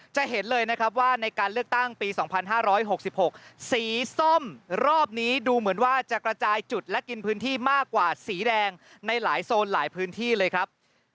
จะเห็นเลยนะครับว่าในการเลือกตั้งปี๒๕๖๖สีส้มรอบนี้ดูเหมือนว่าจะกระจายจุดและกินพื้นที่มากกว่าสีแดงในหลายโซนหลายพื้นที่เลยครับ